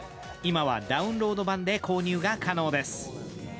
今はダウンロード版で購入が可能です。